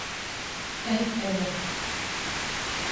Әйт әле!